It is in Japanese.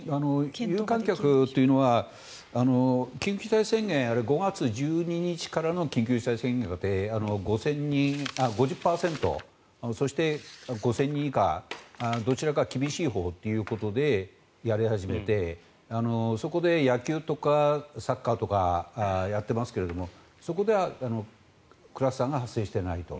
有観客というのは緊急事態宣言、５月１２日からの緊急事態宣言で５０％そして５０００人以下どちらか厳しいほうということでやり始めてそこで野球とかサッカーとかやってますけれどもそこではクラスターが発生していないと。